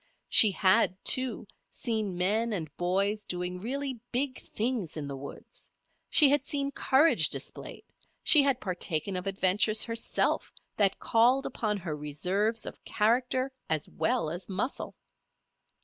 She had, too, seen men and boys doing really big things in the woods; she had seen courage displayed; she had partaken of adventures herself that called upon her reserves of character, as well as muscle.